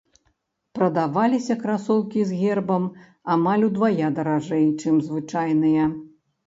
Прадаваліся красоўкі з гербам амаль удвая даражэй, чым звычайныя.